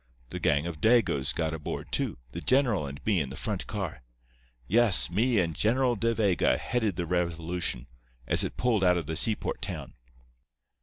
The gang of Dagoes got aboard, too, the general and me in the front car. Yes, me and General De Vega headed the revolution, as it pulled out of the seaport town.